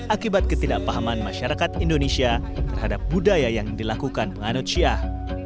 akibat ketidakpahaman masyarakat indonesia terhadap budaya yang dilakukan penganut syiah